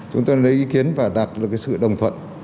chúng tôi lấy ý kiến và đạt được cái sự đồng thuận